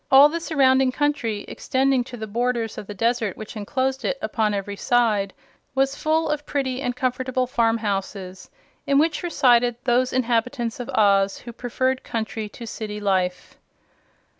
All the surrounding country, extending to the borders of the desert which enclosed it upon every side, was full of pretty and comfortable farmhouses, in which resided those inhabitants of Oz who preferred country to city life.